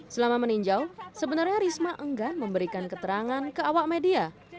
selama meninjau sebenarnya risma enggan memberikan keterangan ke awak media